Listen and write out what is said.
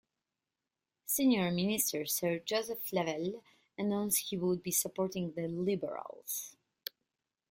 Senior minister Sir Joseph Flavelle announced he would be supporting the Liberals.